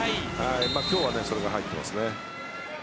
今日は、それが入っていますね。